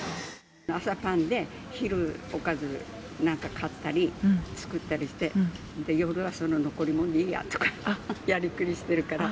朝はパンで、昼おかずなんか買ったり作ったりして、夜はその残り物でいいやとか、やりくりしてるから。